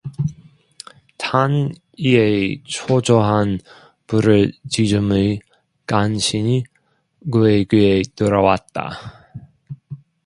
탄 이의 초조한 부르짖음이 간신히 그의 귀에 들어왔다.